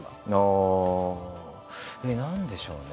何でしょうね